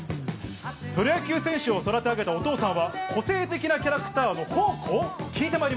プロ野球選手を育て上げたお父さんは、個性的なキャラクターの宝庫？